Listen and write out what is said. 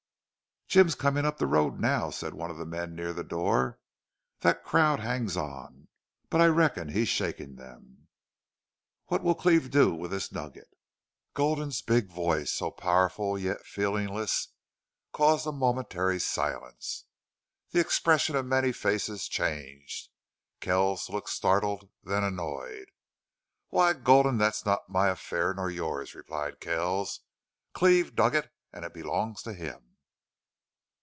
"Jim's comin' up the road now," said one of the men near the door. "Thet crowd hangs on.... But I reckon he's shakin' them." "What'll Cleve do with this nugget?" Gulden's big voice, so powerful, yet feelingless, caused a momentary silence. The expression of many faces changed. Kells looked startled, then annoyed. "Why, Gulden, that's not my affair nor yours," replied Kells. "Cleve dug it and it belongs to him."